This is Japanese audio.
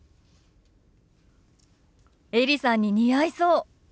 エリさんに似合いそう。